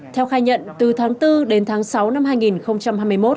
theo khai nhận từ tháng bốn đến tháng sáu năm hai nghìn hai mươi một